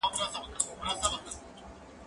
کېدای سي درسونه سخت وي؟!